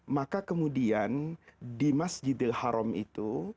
maka kemudian di masjidil haram itu